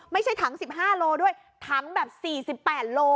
ไม่ใช่ถัง๑๕โลด้วยถังแบบ๔๘โล